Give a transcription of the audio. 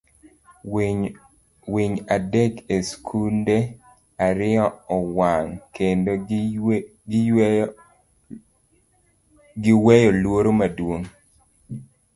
Winy adek E Skunde Ariyo Owang' Kendo Giyweyo Luoro Maduong'